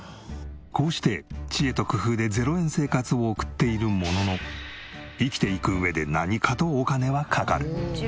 こうして知恵と工夫で０円生活を送っているものの生きていく上で何かとお金はかかる。